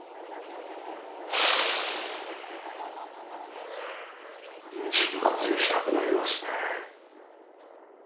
深呼吸したくなりますね。